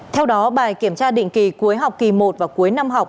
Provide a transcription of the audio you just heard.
theo đó bài kiểm tra định kỳ cuối học kỳ một và cuối năm học